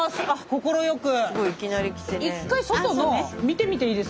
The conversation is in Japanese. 快く。